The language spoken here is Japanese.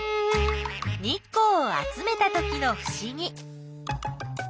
日光を集めたときのふしぎ。